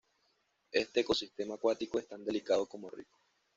Este ecosistema acuático es tan delicado como rico.